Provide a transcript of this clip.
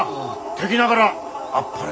敵ながらあっぱれ。